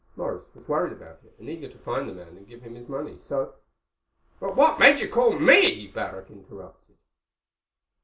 Morris was worried about it, and eager to find the man and give him his money. So—" "But what made you call me?" Barrack interrupted.